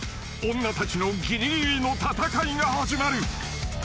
［女たちのぎりぎりの戦いが始まる］